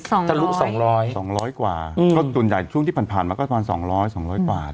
ทะลุสองร้อยสองร้อยกว่าอืมก็ส่วนใหญ่ช่วงที่ผ่านมาผ่านผ่านมาก็ประมาณสองร้อยสองร้อยกว่า